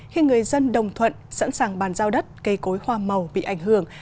khi người dân đồng thuận sẵn sàng bàn giao đất cây cối hoa màu bị ảnh hưởng